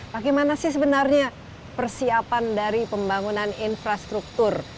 bagaimana sih sebenarnya persiapan dari pembangunan infrastruktur